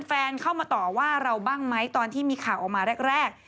แฟนเข้ามาต่อว่าเราบ้างไหมตอนที่มีข่าวออกมาแรก